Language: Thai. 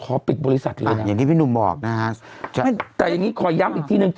ปิดบริษัทเลยนะอย่างที่พี่หนุ่มบอกนะฮะไม่แต่อย่างงี้ขอย้ำอีกทีนึง